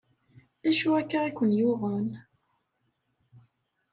D acu akka i ken-yuɣen?